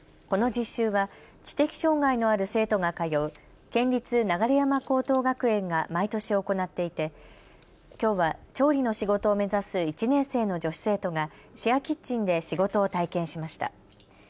この実習は知的障害のある生徒が通う県立流山高等学園が毎年行っていてきょうは調理の仕事を目指す１年生の女子生徒がシェアキッチンで仕事を体験しました。